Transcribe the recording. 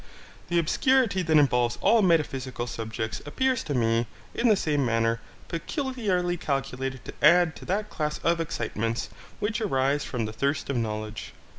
The obscurity that involves all metaphysical subjects appears to me, in the same manner, peculiarly calculated to add to that class of excitements which arise from the thirst of knowledge.